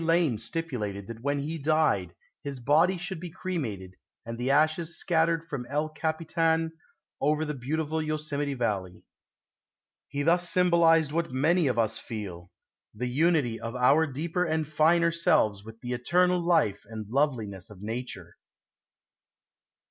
Lane stipulated that when he died his body should be cremated and the ashes scattered from El Capitan over the beautiful Yosemite Valley. He thus symbolized what many of us feel the unity of our deeper and finer selves with the eternal life and loveliness of nature.